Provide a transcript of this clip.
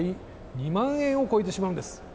２万円を超えてしまうんです。